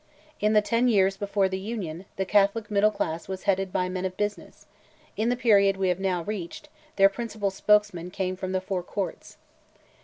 In the ten years before the Union, the Catholic middle class was headed by men of business; in the period we have now reached, their principal spokesmen came from "the Four Courts."